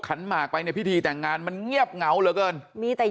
หมากไปในพิธีแต่งงานมันเงียบเหงาเหลือเกินมีแต่